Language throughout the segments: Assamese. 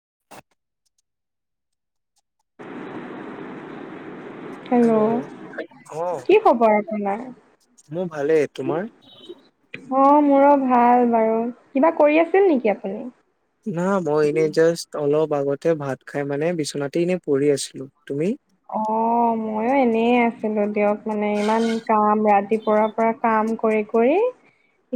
[inaudible] হেল্ল' হেল্লো' অ কি খবৰ? নাই। মোৰ ভালে তোমাৰ? অ মোৰো ভাল বাৰু কিবা কৰি আছিল নেকি আপুনি? না মই এনেই জাষ্ট অলপ আগতে ভাত খাই মানে বিচনাতে এনেই পৰি আছিলো। তুমি? অ ময়ো এনে আছিলো দিয়ক। মানে ইমান কাম ৰাতি পৰা পৰা কাম কৰি কৰি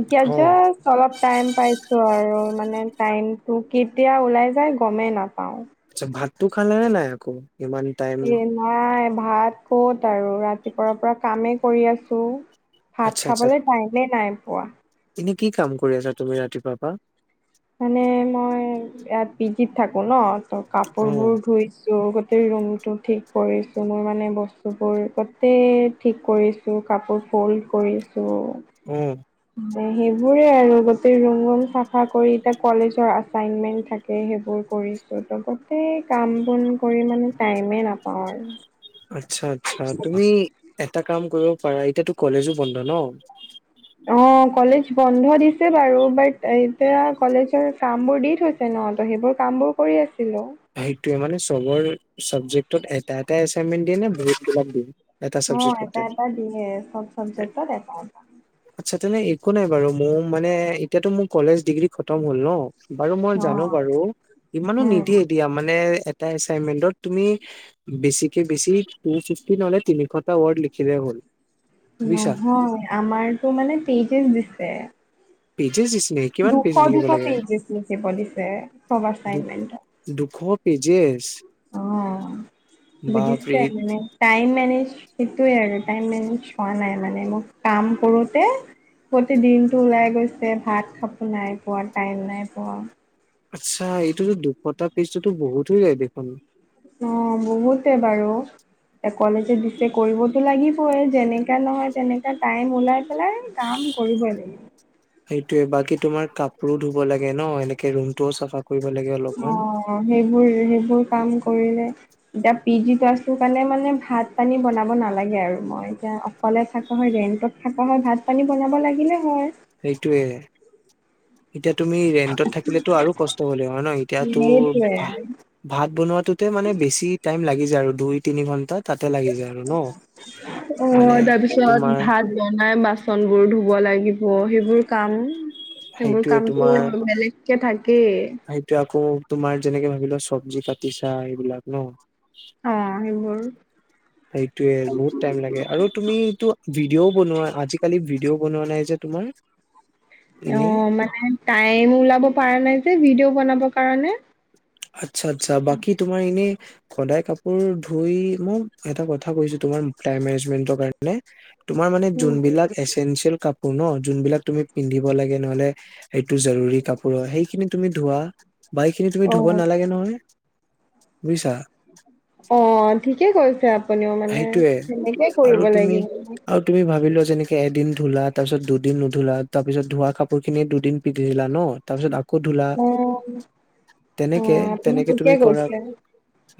এতিয়া অ জাষ্ট অলপ টাইম পাই ছো আৰু মানে টাইমটো কেতিয়া ওলাই যায় গমেই নাপাও। আচ্ছা ভাতটো খালে নে নাই আকৌ? ইমান টাইম এ নাই ভাত ভাত ক'ত আৰু ৰাতিপুৱাৰ পৰা কামেই কৰি আছো। আচ্ছা ভাত আচ্ছা খাবলৈ টাইমেই নাই পোৱা। এনে কি কাম কৰি আছা তুমি ৰাতিপুৱা পৰা? মানে মই ইয়াত পিজিত থাকো ন ত অ কাপোৰ বোৰ ধুইছো গোটেই ৰুমটো ঠিক কৰিছো মোৰ মানে বস্তুবোৰ গোটেই ঠিক কৰিছোঁ, কাপোৰ ফল্ড কৰিছোঁ। উম। সেইবোৰে আৰু গোটে ৰুমৰুম চাফা কৰি কলেজৰ আচাইনমেন্ট থাকে সেইবোৰ কৰিছো, গোটেই কাম বন কৰি মানে টাইম নাপাও আৰু। আচ্ছা আচ্ছা, তুমি এটা কাম কৰিব পাৰা এতিয়াতো কলেজো বন্ধ ন? অ কলেজ বন্ধ দিছে বাৰু বাট এতিয়া কলেজৰ কাম বোৰ দি থৈছে ন ত সেইবোৰ কাম বোৰ কৰি আছো। সেইটোয়ে মানে চবৰ চাবজেক্টত এটা এটাই আছে। এছাইনমেণ্ট দিয়ে নে বহুত কিবাকিবি? এটা অ', এটা চাবজেক্টতে, এটা দিয়ে চব চাবজেক্টত এটা এটা আচ্ছা তেনে একো নাই বাৰু মোৰ মানে এতিয়াতো মোৰ কলেজ ডিগ্ৰী খতম হ'ল ন। বাৰু মই অ', জানো বাৰু, ইমানো নি উম, মানে এটা এছাইনমেণ্টত তুমি বেছিকে বেছি টু ফিফটি নহলে তিনিশটা ৱৰ্ড লিখিলেই হ'ল। বুজিছা নহয় আমাৰতো মানে পেইজেছ দিছে পেইজেছ দিছে দুশ দুশ পেজেছ লিখিব দিছে চব দু এচাইনমেণ্টৰ দুশ পেজেছ অ বাপৰে বুজিছে মানে টাইম টাইম মেনেজ সেইটোৱে আৰু টাইম মেনেজ হোৱা নাই মানে মোক কাম কৰোতে গোটেই দিনটো ওলাই গৈছে ভাত খাব নাই পোৱা, টাইম নাই পোৱা আচ্ছা এইটোতো দুশটা পেজটোতো বহুত হৈ যায় দেখোন অ বহুতে বাৰু এশ লৈকে দিছে কৰিবতো লাগিবই যেনেকা নহয় তেনেকা টাইম ওলাই পেলাই কাম কৰিবই লাগিব সেইটোয়ে বাকী তোমাৰ কাপোৰো ধুব লাগে ন এনেকে ৰুমটোও চাফা কৰিব লাগে অলপমান অ সেইবোৰ সেইবোৰ কাম কৰিলে এতিয়া পি জি ক্লাছটো কাৰণে মানে ভাত পানী বনাব নালাগে আৰু মই এতিয়া অকলে থাকা হয় ৰেণ্টত থকা হয় ভাত পানী বনাব লাগিলে হয় সেইটোৱে এতিয়া তুমি ৰেন্টত থাকিলেটো আৰু কষ্ট হলে হয় ন এতিয়াতো সেইটোৱে। ভা ভাত বনোৱাটোতে মানে বেছি টাইম লাগি আৰু দুই তিনি ঘণ্টাত অ মানে তাৰপিছত তোমাৰ ভাত বনাই বাচনবোৰ ধুব লাগিব ব সেইবোৰ কাম সেইবোৰ সেইটোয়ে তোমাৰ কামতটো বেলেগ কে থাক সেইটো আকৌ তোমাৰ যেনেকে ভাবি লোঁৱা চব্জি কাটিছা এইবিলাক ন অ', সেইবোৰ। সেইটোয়ে বহুত টাইম লাগে আৰু তুমিটো ভিডিঅ' বনোৱা আজিকালি ভি ভিডিঅও বনোৱা নাই যে তোমাৰ অ এনে মানে টাইম ওলাব পৰা নাই যে ভিডিঅ' বনাবৰ কাৰণে আচ্ছা আচ্ছা বাকী তোমাৰ এনে সদায় কাপোৰ ধুই মই এটা কথা কৈছো তোমাৰ টাইম মেনেজমেন্টৰ কাৰণে তোমাৰ মানে যোনবিলাক এচেনচিয়েল কাপ ন যোনবিলাক তুমি পিন্ধিব লাগে নহলে সেইটো জৰুৰী কাপোৰ সেইখিনি তুমি ধোৱা বাই অ ধুব নালাগে নহয় বুইছা অ ঠিক কি কৈছা আপ সেইটোয়ে আৰু তুমি লাগিব আৰু তুমি ভাবিলোৱা যেনেকে এদিন ধুলা তাৰ পিছত দুদিন নুধুলা তাৰ পিছত ধোৱা কাপোৰ খিনিয়ে দুদিন পিন্ধিলা ন তাৰ পিছত ধুলা অ অ তেনেকে আপুনি তেনেকে ঠিকে তুমি কৰা কৈছে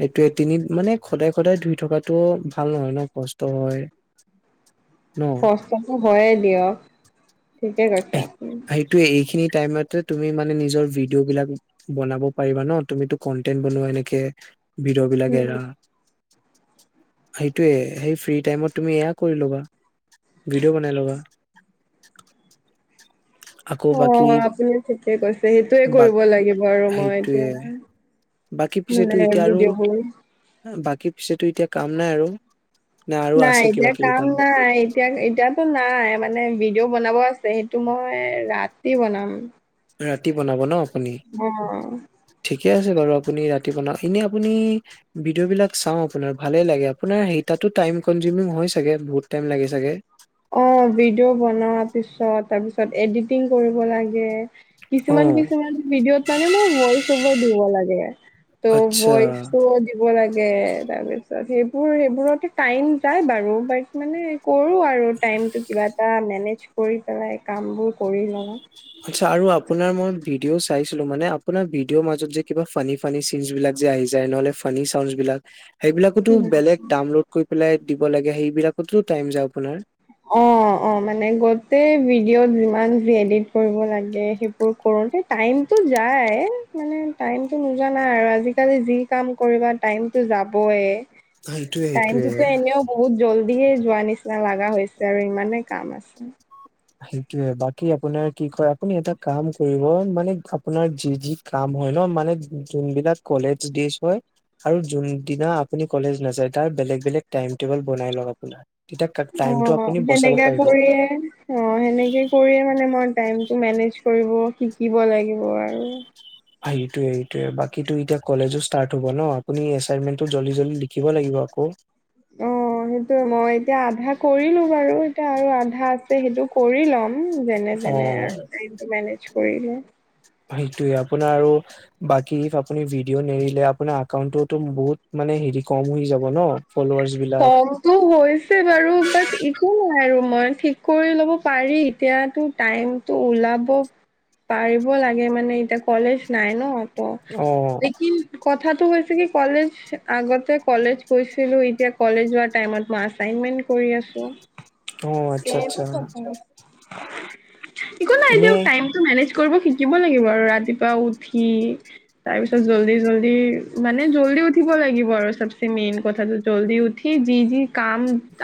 এইটোৱে তিনি মানে সদায় সদায় ধুই টোগাত টো ভাল নহয় ন কষ্ট হয়। ন কষ্টটো হয়ে দিয়ক। ঠিকে কৈছে এয় আপুনি সেইটোয়ে এইখিনিত টাইমত তুমি মানে নিজৰ ভিডিঅ' বিলাক বনাব পাৰিবা ন তুমিটো কন্টেন্ বনোৱা এনেকে। ভিডিঅ বিলাক উম এৰা সেইটোৱে সেই ফ্ৰী টাইমত তুমি এয়া কৰি ল'বা ভিডিঅ' বনাই ল'বা। আকৌ বাকী তে কৈছ সেইটোয়ে বা কৰিব লাগিব আৰু মই সেইটোয়ে বাকী এতিয়া। পিছেতো মানে এতিয়া আৰু ভিডিঅ হয়। বাকী পিছেতো এতিয়া কাম নাই আৰু। নে আৰু নাই আছে কিবা এতিয়া কিবি কাম নাই এতিয়া এতিয়াতো নাই মানে বি ডিঅ বনাব আছে সেইটো মই ৰাতি বনাম। ৰাতি বনাব ন? আপুনি অ ঠিকে আছে বাৰু আপুনি ৰাতি বনাও এনে আপুনি ভিডিঅ' বিলাক চাও আপোনাৰ ভালে লাগে আপোনাৰ সেইতাটো টাইমকন বহুত লাগে চাগে। অ ভিডিঅ' বনোৱাৰ পিছত তাৰপিছত এডিটিং কৰিব লাগে। কিছুমান অঁ কিছুমান ভিডিঅত মানে মোৰ ভইচ অভাৰ দিব লাগে। এয়া ত' আচ্ছা বয়চটো দিব লাগে। তাৰপিছত সে মোৰ সেইবোৰতে টাইম যায় বাৰু বাট মানে কৰোঁ আৰু। টাইমটো কিবা এটা মেনেজ কৰি পেলাই কামবোৰ। কৰি লওঁ। আচ্ছা আৰু আপোনাৰ মই ভিডিঅ' চাইছিলো। মানে আপোনাৰ ভিডিঅ'ৰ মাজত যে কিবা ফানী ফানী চিনছ বিলাক যে আহি যায় নহলে ফানী চাউনচ বিলাক সেইবিলাকতো বেলেগ ডাউনলোড কৰি। পাইলাই দিব লাগে। সেইবিলাকতো টাইম যায় আপোনাৰ। অ ইমান যে এডিট কৰিব লাগে। সেইবোৰ কৰোতে টাইমতটো যায়। মানে টাইমতটো নোজাৱা নাই আৰু আজি কালি যি কাম কৰিবা টাইমতটো যাবয়। সেইটোৱে সেইটোৱে টাইমটোতো এনেও বহুত জল। দিয়ে যোৱা নিচিনা লগা হৈছে আৰু ইমানে কাম আছে। সেইটোয়ে বাক আপোনাৰ কি ক আপুনি এটা কাম কৰিব। মানে আপোনাৰ যি যি কাম হয় ন মানে যোনবিলাক কলেজজ হয় আৰু যোনদিনা আপুনি কলেজ নাযায় তাৰ বেলেগ বেলেগ টাইম টেবল বনাই ল আপোনাৰ। তেতিয়া অ টাইমটো আপুনি বচাব সেনেকা পাৰিব কৰিয়ে অ সেনেকে কৰিয়ে মানে মই টাইম মেনেজ কৰিব শিকিব লাগিব আৰু। এইটোৱে এইটোৱে বাকীটো এতিয়া কলেজো ষ্টাৰ্ট হব ন আপুনি এাইনমেটটো জল্দি জল্দি লিখিব লাগিব আকৌ। অ সেইটোৱে মই এতিয়া আধা কৰিলো বাৰু এতিয়া আৰু আধা আছে সেইটো কৰি লম। উম যেনে অ তেনে আৰু। কৰিলে সেইটোৱেই আপোনাৰ আৰু বাকী ইফ আপুনি ভিডিঅ নেৰিলে আপোনাৰ একাউন্টতো বহুত মানে, হেৰি কম হৈ যাব ন। ফলোৱাৰ্চ বিলাক কমটো হৈছে বাৰু, বাট একো নাই আৰু। মই ঠিক কৰি ল'ব পাৰি, এতিয়াতো টাইমতটো ওলাব পাৰিব লাগে মানে, এতিয়া কলেজ নাই ন। [unintelligible] অ লিকিন কথাটো হৈ [unintelligible] কি কলেজ, আগতে কলেজ গৈছিলোঁ এতিয়া কলেজ যোৱা টাইমত মই আচাইনমেন্ট কৰি আছোঁ। আহ! আচ্ছা-আচ্ছা। হয় [unintelligible] একো নাই টাইমটো মেনেজ কৰিব শিকিব লাগিব আৰু ৰাতিপু পুৱা উঠি, তাৰ পিছত জল্দি-জল্দি, মানে জল্দি উঠিব লাগিব আৰু চবচে মেইন কথাটো। জলদি উঠি যি-যি কাম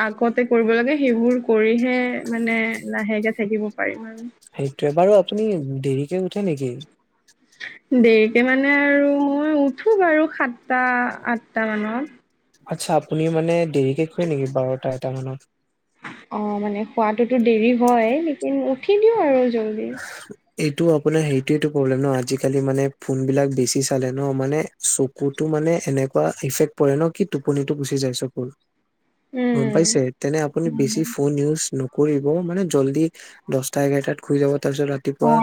আগতে কৰিব লাগে সেইবোৰ কৰিহে মানে লাহেকে থাকিব পাৰিম আৰু। সেইটোৱেই বাৰু আপুনি দেৰিকে উঠে নেকি? দেৰিকে মানে আৰু মই উঠো বাৰু সাতটা আঠটা মানত। আচ্ছা! আপুনি মানে দেৰিকে শুৱে নেকি বাৰটাত? ন [unintelligible] অঁ মানে শুৱাতোটো দেৰি হয়, লেকিন উঠি দিও আৰু জলদি। এইটো আপোনাৰ, সেইটোৱেইটো প্ৰব্লেম ন আজিকালি মানে ফোনবিলাক বেছি চালে ন, মানে চকুতো মানে এনেকুৱা ইফেক্ট পৰে ন, কি টোপনিটো গুচি যায় চকুৰ। গম উম পাইছে? তেনে আপুনি বেছি ফোন ইউজ নকৰি কৰিব মানে জল্দি দহটা এঘাৰটাত শুই যাব তাৰপিছত ৰাতিপুৱা অঁ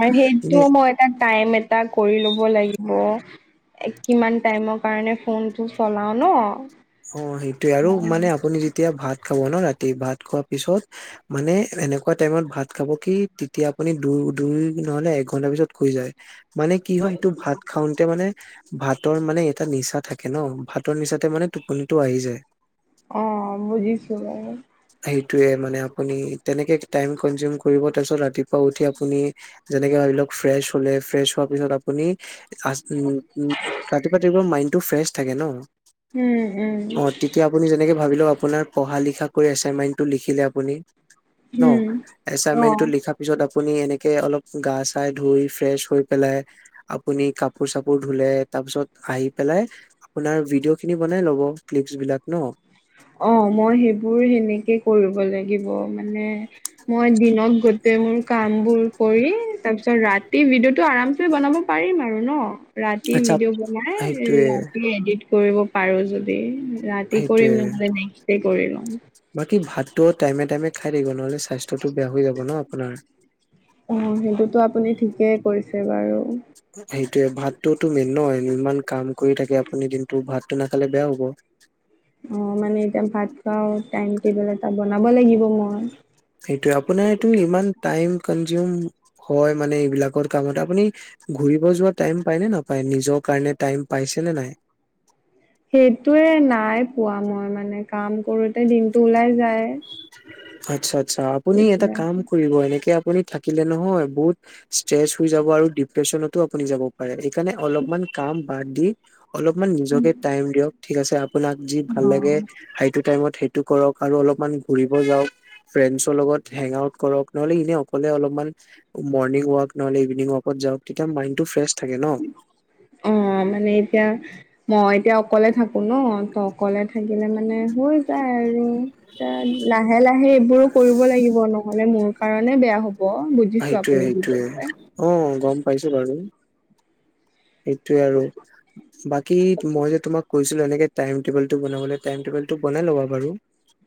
এনে সেইটো মই এটা টাইম এটা কৰি লব লাগিব। কিমান টাইমৰ কাৰণে ফোনটো চলাও ন? অঁ সেইটোৱেই আৰু হয় মানে আপুনি যেতিয়া ভাত ভাত খাব ন ৰাতি, ভাত খোৱাৰ পিছত মানে এনেকুৱা টাইমত ভাত খাব কি তেতিয়া আপুনি দু-দুই নহলে এক ঘন্টা পিছত শুই যায়। মানে কি হয় সেইটো ভাত খাওঁতে মানে ভাতৰ মানে এটা নিচা থাকে ন, ভাতৰ নিচাতে মানে টোপনিটো আহি যায়। অঁ বুজিছোঁ বাৰু। সেইটোৱেই মানে আপুনি তেনেকে টাইম [unintelligible] কৰিব তাৰপিছত ৰাতিপুৱা উঠি আপুনি, যেনেকে ভাবি ল‌ওক ফ্ৰেচ হ'লে, ফ্ৰেচ হোৱা পিছত আপুনি আ [unintelligible] উম-উম ৰাতিপুৱা টাইমত মাইন টো ফ্ৰেছ থাকে ন উম উম ভাবিলোও আপোনাৰ পঢ়া লিখা কৰি এইনমেন্টো লিখিলে আপুনি ন‌ উম আচাইমে‌তো অ লিখা পাছত আপুনি এনেকে অলপ গা চাহ ধুই ফেচ্ হৈ পেলাই আপুনি কাপোৰ চাপোৰ ধুলে তাৰ পিছত আহি পেলাই আপোনাৰ ভিডিঅ' খিনি মানে লগৰ ফিছ বিলাক ন অ মই সেইবোৰ সেনেকে কৰিব লাগিব মানে মই দিনত গোট মোৰ কাম বোৰ কৰি তাৰ পিছত ৰাতি ভিডিঅ' টো আমাৰ চে বনাব পাৰিম আৰু আৰু ন ৰাতি আচ্ছা ভিডিঅ' বনাই সেইটোয়ে ৰাতি এডিট কৰিব পাৰোঁ যদি ৰাতি সেইটোয়ে কৰিম ন কৰিম বাকী ভাতটো টাইমে টাইমে খাই থাকিব নহ'লে স্বাস্থ্যটো বেয়া হৈ যাব ন আপোনাৰ অ সেইটোতো আপুনি ঠিকেই কৰিছে বাৰু সেইটোয়ে ভাতটোতো মেইন নহয় ইমান কাম কৰি থাকে আপুনি দিনটো ভাতটো নাখালে বেয়া হ'ব অ মানে এতিয়া ভাত খাও টাইম টব এটা বনাব লাগিব মই সেইটোৱে আপোনাৰ এইটো ইমান টাইম হয় মানে এইবিলাক কামত আপুনি ঘূৰিব যোৱা টাইম পাই নে নাপাই নিজৰ কাৰণে টাইম পাইছে নে নাই সেইটোয়ে নাই পোৱা মই মানে কাম কৰো তাতে দিনটো ওলাই যায় আচ্ছা আচ্ছা‌ আপুনি এটা এতিয়া কাম কৰিব এনেকে আপুনি থাকিলে নহয় বহুত ষ্ট্ৰেচ হৈ যাব আৰু ডিপ্ৰেচনতো আপুনি যাব পাৰে সেইকাৰণে অলপমান কাম বাদ দি অলপমান নিজকে টাইম দিয়ক ঠিক আছে আপোনাক যি ভাল লাগে অ সেইটো টাইমত সেই কৰক আৰু অলপমান ঘুৰিব যাওক ফ্ৰেণ্ডৰ লগত হেং আউট কৰক নহলে এনে অকলে অলপমান মৰ্ণিং ৱাক নহলে ইভিনিং ৱাকত যাওক তেতিয়া মাইণ্ডটো ফ্ৰেছ থাকে ন। অ মানে এতিয়া মই এতিয়া অকলে থাকো ন তো অকলে থাকিলে মানে হৈ যায় আৰু এ লাহে লাহে এইবোৰো কৰিব লাগিব ন নহলে মোৰ কাৰণে বেয়া হ'ব বুজিছো সেইটোয়ে আপুনি কি সেইটোয়ে কৈছে অ গম পাইছো বাৰু সেইটোৱে আৰু বাকী মই যে তোমাক কৈছিলো এনেকে টাইম টেবুলটো বনাবলে, টাইম টেবুলটো বনাই ল'বা বাৰু।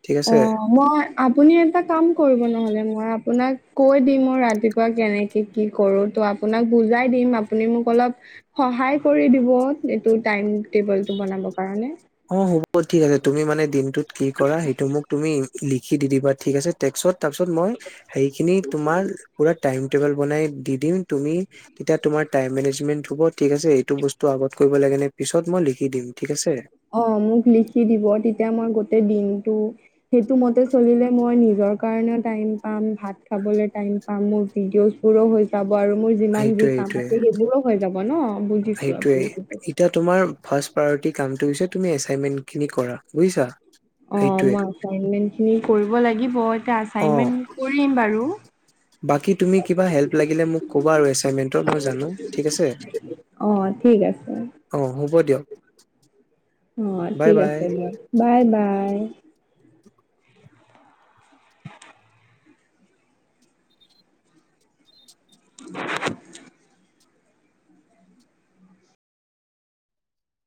ঠিক আছে অ' মই আপুনি এটা কাম কৰিব নহ'লে মই আপোনাক কৈ দিম মই ৰাতিপুৱা কেনেকে কি কৰো। ত' আপোনাক বুজাই দিম আপুনি মোক অলপ সহায় কৰি দিব এইটো টাইম টেবুলটো বনাব কাৰণে। অ' হ'ব ঠিক আছে। তুমি মানে দিনটোত কি কৰা সেইটো মোক তুমি লি খি দি দিবা। ঠিক আছে টেক্সত? তাৰ পিছত মই সেইখিনি তোমাৰ পুৰা টাইম টেবল বনাই দি দিম, তুমি তেতিয়া তোমাৰ টাইম মেনেজমেন্ট হব ঠিক আছে? এইটো বস্তু আগত কৰিব লাগে নে পিছত মই লিখি দিম ঠিক আছে? [unintelligible] অ' মোক লিখি দিব তেতিয়া মই গোটে দিনটো সেইটো মতে চলিলে মই নি জৰ কাৰণেও টাইম পাম ভাত খাবলৈ টাইম [unintelligible] ভিডিঅ'জ বোৰো হৈ যা ব আৰু মোৰ যিমান যি কাম আছে সেইবোৰো হৈ যাব। ব' ন'। বুজিছো সেইটোৱে আপুনি সেইটো। এতিয়া তোমাৰ ফাৰ্ষ্ট প্ৰায়ৰিটি কাম [unintelligible] তুমি এচাইনমেন্ট খিনি কৰা বুজিছা? অ' সেইটোৱে মই এচাইনমেন্ট খিনি কৰিব লাগিবই। অ' বাকী তুমি কিবা হেল্প লাগিলে মোক ক'বা আৰু এছাইনমেণ্টৰ মই জানো ঠিক আছে? অ ঠিক আছে অ' হ'ব দিয়ক। অ' বাই ঠিক বাই আছে দিয়ক। বাই বা আই। [inaudible] [inaudible]